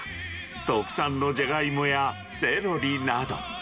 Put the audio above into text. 特産のジャガイモやセロリなど。